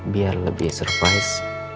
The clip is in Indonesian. biar lebih surprise